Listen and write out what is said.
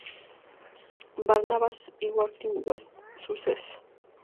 Barnabas de Worthing, West Sussex.